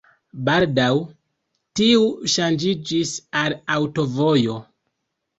Baldaŭ tiu ŝanĝiĝis al aŭtovojo.